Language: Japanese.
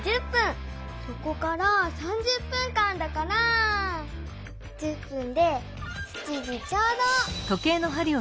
そこから３０分間だから１０分で７時ちょうど！